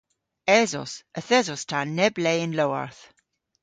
Esos. Yth esos ta neb le y'n lowarth.